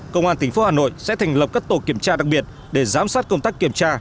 công an tp hà nội sẽ thành lập các tổ kiểm tra đặc biệt để giám sát công tác kiểm tra